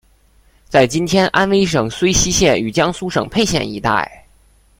在今天安微省睢溪县与江苏省沛县一带。